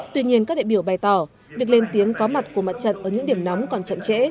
tuy nhiên các đại biểu bày tỏ việc lên tiếng có mặt của mặt trận ở những điểm nóng còn chậm trễ